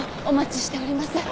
お待ちしております。